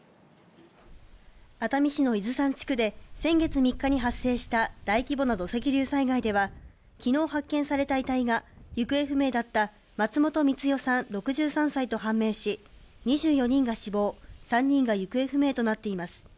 熱海市の伊豆山地区で、先月３日に発生した大規模な土石流災害では、きのう発見された遺体が、行方不明だった松本光代さん６３歳と判明し、２４人が死亡、３人が行方不明となっています。